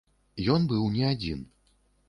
Ён быў не адзін.